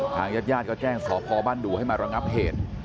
ทางยาดก็แจ้งสภาพบ้านดูให้มาเริ่มรับเหตุ